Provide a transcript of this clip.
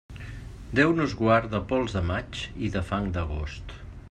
Déu nos guard de pols de maig i de fang d'agost.